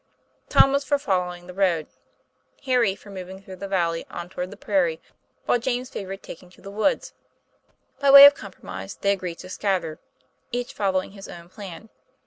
Tom was for following the road, Harry for mov ing through the valley on toward the prairie, while James favored taking to the woods. By way of compromise, they agreed to scatter, each following his own plan.